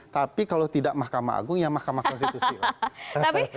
tapi kalau tidak mahkamah agung ya mahkamah konstitusi lah